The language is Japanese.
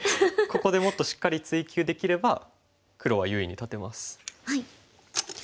ここでもっとしっかり追及できれば黒は優位に立てます。